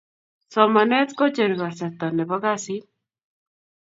somanet kocheru kasarta Nepo kasit